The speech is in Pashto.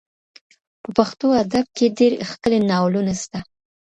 په پښتو ادب کي ډېر ښکلي ناولونه سته.